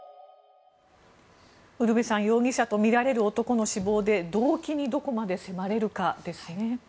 ウルヴェさん容疑者とみられる男の死亡で動機にどこまで迫られるかですね。